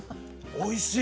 おいしい！